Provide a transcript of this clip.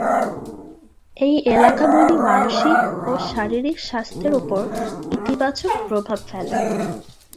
এই এলাকাগুলি মানসিক ও শারীরিক স্বাস্থ্যের উপর ইতিবাচক প্রভাব ফেলে।